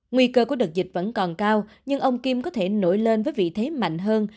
nguy cơ của đợt dịch vẫn còn cao nhưng ông kim có thể nổi lên với vị thế mạnh hơn